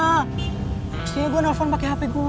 maksudnya gua nelfon pake hp gua